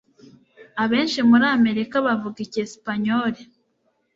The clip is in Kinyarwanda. abenshi muri amerika bavuga icyesipanyoli